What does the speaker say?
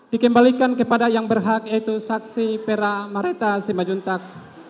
dikembalikan kepada yang berhak yaitu saksi pera marita simajuntak